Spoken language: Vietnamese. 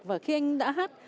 và khi anh đã hát